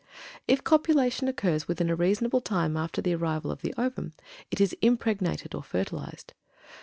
If copulation occurs within a reasonable time after the arrival of the ovum, it is impregnated or fertilized.